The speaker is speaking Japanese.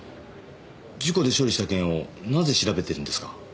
事故で処理した件をなぜ調べてるんですか？